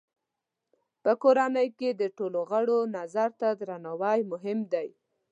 په کورنۍ کې د ټولو غړو نظر ته درناوی مهم دی.